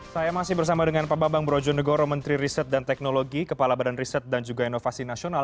saya masih bersama dengan pak bambang brojonegoro menteri riset dan teknologi kepala badan riset dan juga inovasi nasional